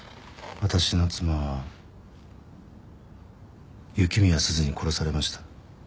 私の妻は雪宮鈴に殺されました。